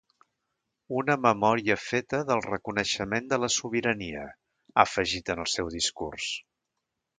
Una memòria feta del reconeixement de la sobirania, ha afegit en el seu discurs.